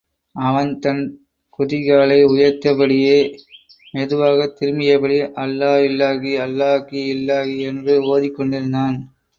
அவன் தன் குதிகாலை உயர்த்தியபடியே மெதுவாகத் திரும்பியபடி, அல்லா இல்லாஹி அல்லல்லாகி இல்லாகி... என்று ஓதிக் கொண்டிருந்தான்.